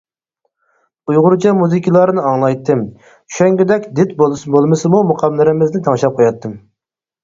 ئۇيغۇرچە مۇزىكىلارنى ئاڭلايتتىم، چۈشەنگۈدەك دىت بولمىسىمۇ مۇقاملىرىمىزنى تىڭشاپ قوياتتىم.